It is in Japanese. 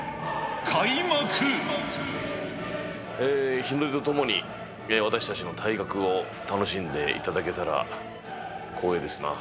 日の出とともに、私たちの体格を楽しんでいただけたら光栄ですな。